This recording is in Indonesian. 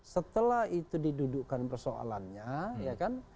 setelah itu didudukkan persoalannya ya kan